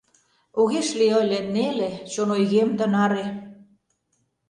Огеш лий ыле неле чон ойгем тынаре.